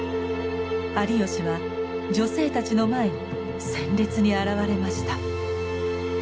有吉は女性たちの前に鮮烈に現れました。